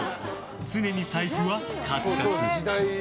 常に財布はカツカツ。